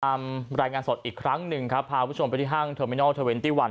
รายงานสดอีกครั้งหนึ่งครับพาผู้ชมไปที่ห้างเทอร์มินอลเทอร์เวนตี้วัน